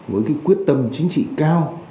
với cái quyết tâm chính trị cao